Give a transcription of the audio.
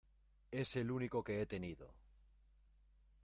Es el único que he tenido.